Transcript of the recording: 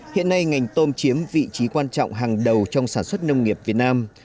hiện nay ngành tôm chiếm vị trí quan trọng hàng đầu trong sản xuất nông nghiệp việt nam